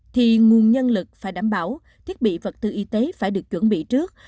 thì nguồn nhân lực phải đảm bảo thiết bị vật tư y tế phải được chuẩn bị trước